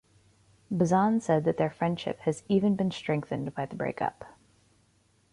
Bazan said that their friendship has even been strengthened by the breakup.